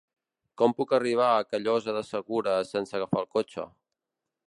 Com puc arribar a Callosa de Segura sense agafar el cotxe?